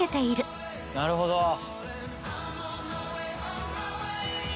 なるほど。